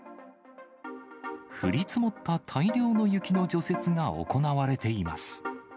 降り積もった大量の雪の除雪が行われています。